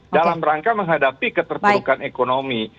dalam rangka menghadapi keterpurukan ekonomi